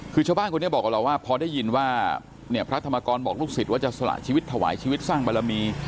คือชาวบ้านคนนี้บอกกับเราว่าพอได้ยินว่าเนี่ยพระธรรมกรบอกลูกศิษย์ว่าจะสละชีวิตถวายชีวิตสร้างบารมี